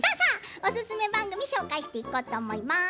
おすすめ番組を紹介していこうと思います。